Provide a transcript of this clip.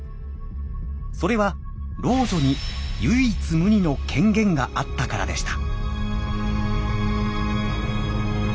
それは老女に唯一無二の権限があったからでした。